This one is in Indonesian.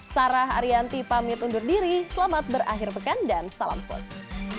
sarah arianti pamit undur diri selamat berakhir pekan dan salam sports